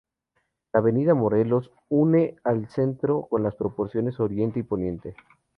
La avenida Morelos une al centro con las porciones oriente y poniente.